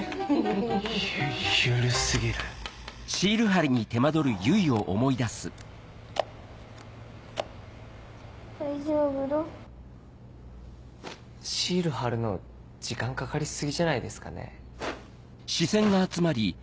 ゆゆる過ぎるばいじょうぶろシール貼るの時間かかり過ぎじゃないですかね。